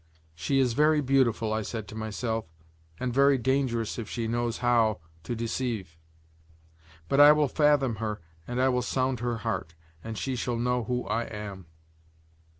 "She is very beautiful," I said to myself, "and very dangerous if she knows how to deceive; but I will fathom her and I will sound her heart; and she shall know who I am."